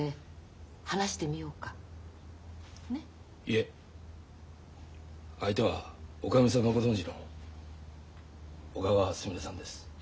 いえ相手はおかみさんがご存じの小川すみれさんです。